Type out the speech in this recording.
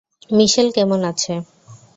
মিশেল কেমন আছে?